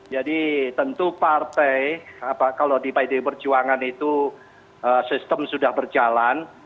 jadi tentu partai kalau di pdi perjuangan itu sistem sudah berjalan